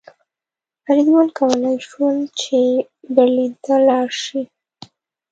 فریدګل کولی شول چې برلین ته لاړ شي